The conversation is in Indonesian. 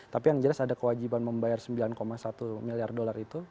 tapi yang jelas ada kewajiban membayar sembilan satu miliar dolar itu